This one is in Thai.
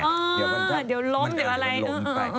เดี๋ยวล้มเดี๋ยวอะไร